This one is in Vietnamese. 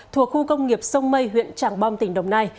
thuộc khu công nghiệp sông mây huyện tràng bom tỉnh đồng nai